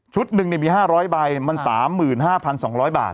หนึ่งมี๕๐๐ใบมัน๓๕๒๐๐บาท